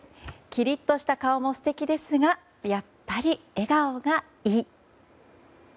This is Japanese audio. きりっとした顔も素敵ですがやっぱり笑顔がいい。